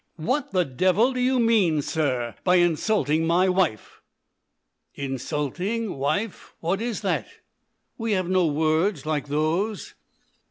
"What the devil do you mean, sir, by insulting my wife ?" "Insulting. Wife. What is that? We have no words like those."